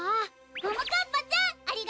ももかっぱちゃんありがとすぎる！